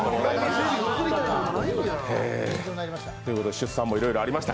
出産もいろいろありました。